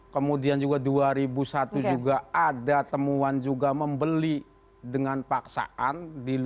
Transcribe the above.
kemudian juga dua ribu satu juga ada temuan juga membeli dengan paksaan